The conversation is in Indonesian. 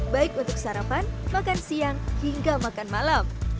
baik untuk sarapan makan siang hingga makan malam